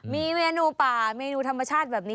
มีเมนูป่าเมนูธรรมชาติแบบนี้